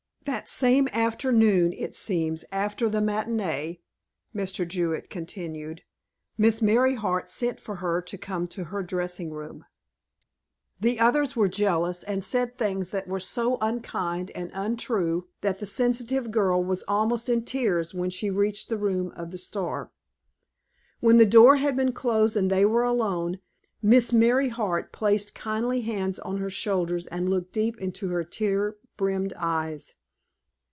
"That same afternoon, it seems, after the matinee," Mr. Jewett continued, "Miss Merryheart sent for her to come to her dressing room. The others were jealous and said things that were so unkind and untrue that the sensitive girl was almost in tears when she reached the room of the star. "When the door had been closed and they were alone, Miss Merryheart placed kindly hands on her shoulders and looked deep into the tear brimmed eyes.